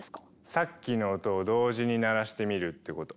さっきの音を同時に鳴らしてみるってこと。